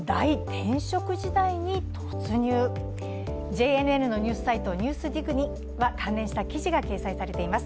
ＪＮＮのニュースサイト「ＮＥＷＳＤＩＧ」には関連した記事が掲載されています。